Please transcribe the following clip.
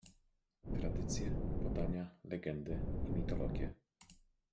Tradycje, podania, legendy i mitologie.